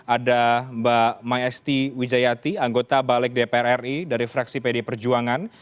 ada mbak maesti wijayati anggota balik dpr ri dari fraksi pd perjuangan